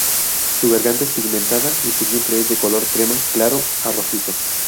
Su garganta es pigmentada y su vientre es de color crema claro a rojizo.